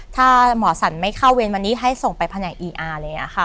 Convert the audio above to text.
ถ้าหมอสรรไม่เข้าเว้นวันนี้ให้ส่งไปพนักอีอาร์